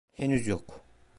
Henüz yok.